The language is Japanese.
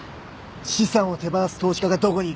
資産を手放す投資家がどこにいる？